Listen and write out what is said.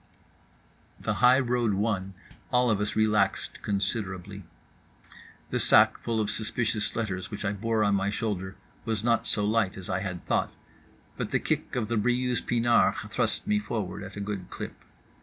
The highroad won, all of us relaxed considerably. The sac full of suspicious letters which I bore on my shoulder was not so light as I had thought, but the kick of the Briouse pinard thrust me forward at a good clip.